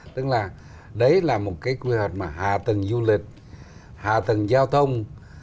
tức là đấy là một cái quy hoạch mà hạ tầng du lịch hạ tầng giao thông